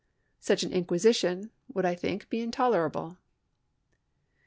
Such an inquisition would I think be intolerable."